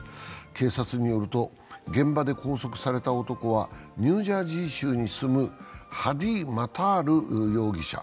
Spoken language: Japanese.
警察によると現場で拘束された男はニュージャージー州に住むハディ・マタール容疑者。